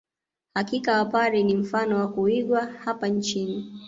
Hakika wapare ni mfano wa kuigwa hapa nchini